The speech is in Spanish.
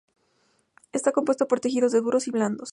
Está compuesto por tejidos duros y blandos.